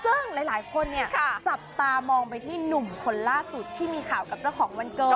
ซึ่งหลายคนเนี่ยจับตามองไปที่หนุ่มคนล่าสุดที่มีข่าวกับเจ้าของวันเกิด